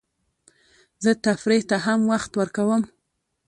زه تفریح ته هم وخت ورکوم.